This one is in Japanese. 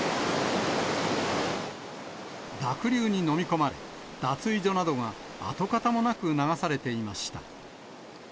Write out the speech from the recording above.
濁流にのみ込まれ、脱衣所などが跡形もなく流されていました。